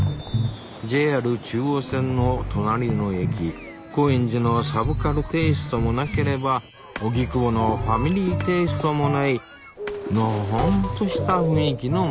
ＪＲ中央線の隣の駅高円寺のサブカルテイストもなければ荻窪のファミリーテイストもないのほほんとした雰囲気の町。